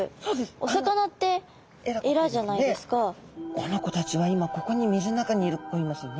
この子たちは今ここに水の中にいますよね。